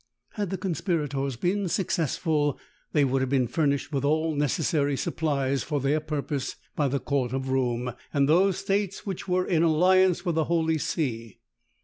Had the conspirators been successful, they would have been furnished with all necessary supplies for their purpose by the court of Rome, and those states which were in alliance with the holy see.